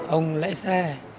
ông lái xe